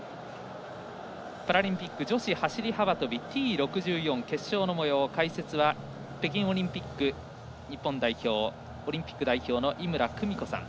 パラリンピック女子走り幅跳びＴ６４決勝のもよう解説は北京オリンピック日本代表井村久美子さん